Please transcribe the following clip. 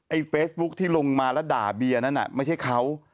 เฟซบุ๊คที่ลงมาแล้วด่าเบียร์นั้นไม่ใช่เขา